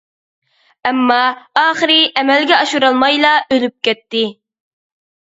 ئەمما، ئاخىرى ئەمەلگە ئاشۇرالمايلا ئۆلۈپ كەتتى.